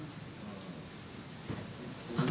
あっ！